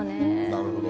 なるほど。